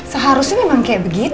seharusnya emang kayak begitu deh ya